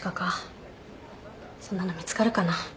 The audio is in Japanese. そんなの見つかるかな？